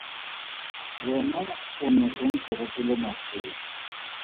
Wena o ne o ntlogetse le masea.